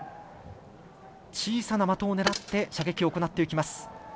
小さな的を狙って射撃を行っていきます。